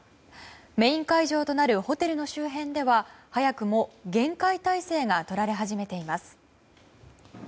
メイン会場となるホテルの周辺では早くも厳戒態勢がとられ始めています。